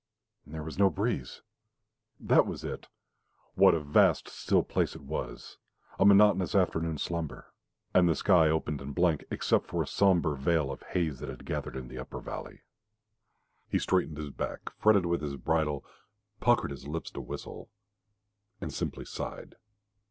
There was no breeze. That was it! What a vast, still place it was, a monotonous afternoon slumber. And the sky open and blank, except for a sombre veil of haze that had gathered in the upper valley. He straightened his back, fretted with his bridle, puckered his lips to whistle, and simply sighed.